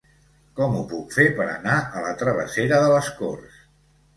Com ho puc fer per anar a la travessera de les Corts?